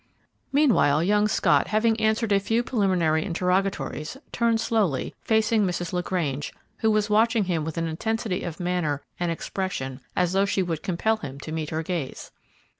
'" Meanwhile, young Scott, having answered a few preliminary interrogatories, turned slowly, facing Mrs. LaGrange, who was watching him with an intensity of manner and expression as though she would compel him to meet her gaze.